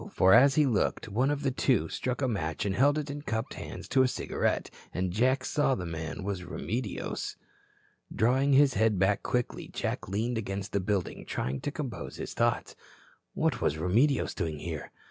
For, as he looked, one of the two struck a match and held it in cupped hands to a cigarette, and Jack saw the man was Remedios. Drawing his head back quickly, Jack leaned against the building, trying to compose his thoughts. What was Remedios doing here?